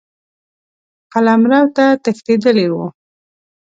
قلمرو ته تښتېدلی وو.